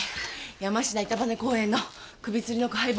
山科板羽公園の首つりの解剖報告書。